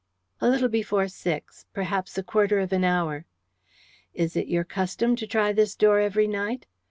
"A little before six perhaps a quarter of an hour." "Is it your custom to try this door every night?"